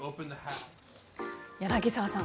柳澤さん